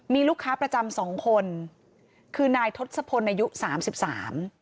มีลูกค้าประจำสองคนคือนายทศพลอายุสามสิบสาม